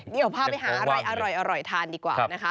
เดี๋ยวพาไปหาอะไรอร่อยทานดีกว่านะคะ